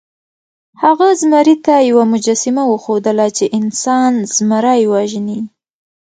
هغه زمري ته یوه مجسمه وښودله چې انسان زمری وژني.